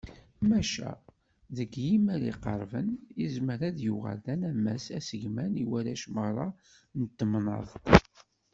Maca, deg yimal iqerben, yezmer ad d-yuɣal d anammas asegman i warrac merra n temnaḍt.